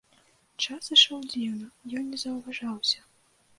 Час ішоў дзіўна, ён не заўважаўся.